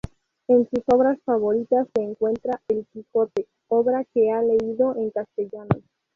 Entre sus obras favoritas se encuentra El Quijote, obra que ha leído en castellano.